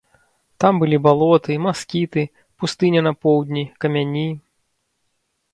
Там былі балоты, маскіты, пустыня на поўдні, камяні.